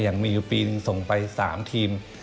ยังมีอยู่ปีหนึ่งส่งไป๓ทีม